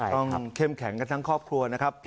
ต้องเข้มแข็งกันทั้งครอบครัวนะครับ